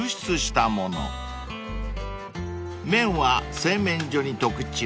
［麺は製麺所に特注］